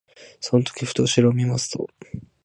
その時ふと後ろを見ますと、